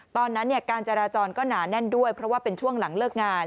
ตอนนั้นการจราจรก็หนาแน่นด้วยเพราะว่าเป็นช่วงหลังเลิกงาน